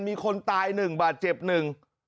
มีคนตายหนึ่งบาดเจ็บหนึ่ง